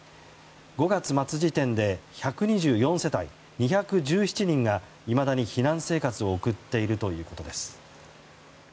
５月末時点で１２４世帯２１７人がいまだに避難生活を送っているということです。